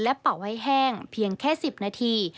เป่าให้แห้งเพียงแค่๑๐นาที